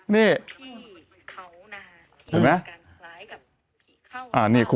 เห็นมั้ย